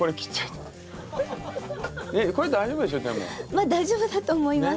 まあ大丈夫だと思います。